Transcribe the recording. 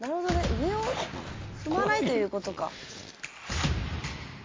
上を踏まないということか。